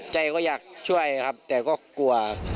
ใจก็อยากช่วยครับแต่ก็กลัว